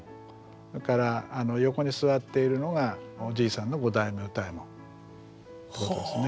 それから横に座っているのがおじいさんの五代目歌右衛門ということですね。